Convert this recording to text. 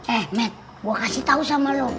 eh nek gue kasih tau sama lo